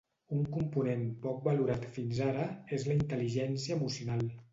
Un component, poc valorat fins ara, és la intel·ligència emocional.